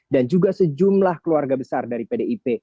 dan juga sejumlah keluarga besar dari pdip